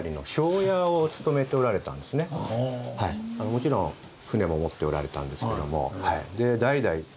もちろん船も持っておられたんですけども。